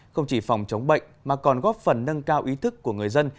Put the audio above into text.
không chỉ phòng chống bệnh mà còn góp phần nâng cao ý thức của người dân